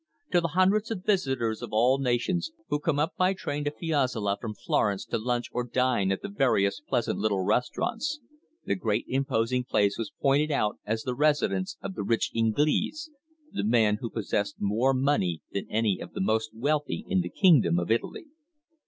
To the hundreds of visitors of all nations, who came up by train to Fiesole from Florence to lunch or dine at the various pleasant little restaurants, the great imposing place was pointed out as the residence of the rich "Inglese" the man who possessed more money than any of the most wealthy in the kingdom of Italy.